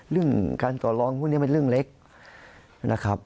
เรื่องการต่อรองพวกนี้เป็นเรื่องเล็กนะครับ